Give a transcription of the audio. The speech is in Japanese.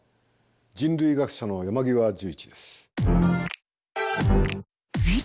人類学者の山極壽一です。